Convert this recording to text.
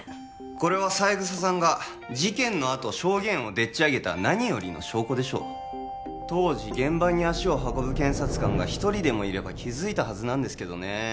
これは三枝さんが事件のあと証言をでっちあげた何よりの証拠当時現場に足を運ぶ検察官が一人でもいれば気づいたはずです